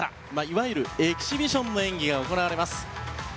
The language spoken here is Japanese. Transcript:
エキシビションの演技が行われます。